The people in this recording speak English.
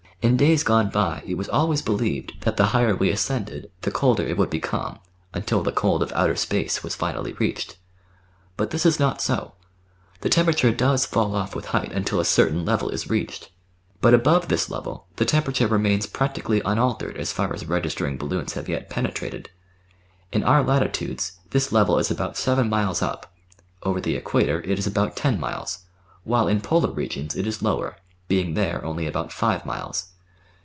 In days gone by it was always believed that the higher we ascended the colder it would become until the cold of outer space was finally reached. But this is not so; the temperature does fall off with height until a certain level is reached, but above this level the temperature 768 The Outline of Science remains practically unaltered as far as registering balloons have yet penetrated. In our latitudes this level is about seven miles up ; over the Equator it is about ten miles, while in Polar regions it is lower, being there only about five miles.